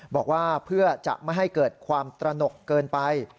บอกว่าเพื่อจะไม่ให้เกิดความตระหนกเกินไป